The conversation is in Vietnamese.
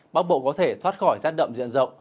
bắc bộ có thể thoát khỏi rét đậm diện rộng